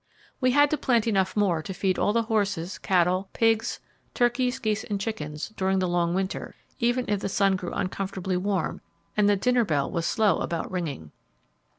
We had to plant enough more to feed all the horses, cattle, pigs, turkeys, geese, and chickens, during the long winter, even if the sun grew uncomfortably warm, and the dinner bell was slow about ringing.